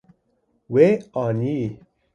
We anî.